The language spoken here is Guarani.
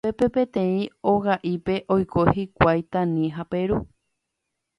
Upépe peteĩ oga'ípe oiko hikuái Tani ha Peru